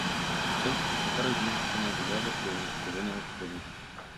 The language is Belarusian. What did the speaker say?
У цэнтры шчыта размешчана выява пеўня чырвонага колеру.